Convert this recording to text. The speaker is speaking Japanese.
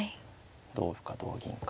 同歩か同銀か。